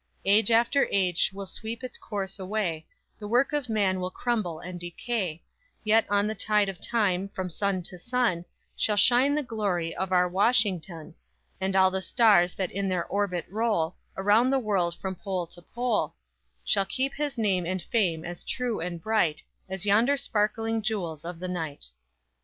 Age after age will sweep its course away The work of man will crumble and decay; Yet, on the tide of time from sun to sun, Shall shine the glory of our Washington; And all the stars that in their orbit roll, Around the world from pole to pole, Shall keep his name and fame as true and bright, As yonder sparkling jewels of the night!